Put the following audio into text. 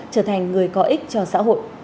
trở thành người có ích cho xã hội